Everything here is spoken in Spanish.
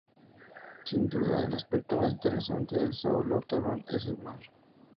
Sin duda, el aspecto más interesante de Saulo Torón es el mar.